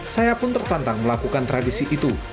saya pun tertantang melakukan tradisi itu